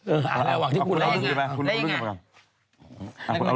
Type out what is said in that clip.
เอาเรื่องนี้เป็นเรื่องของรัฐบาล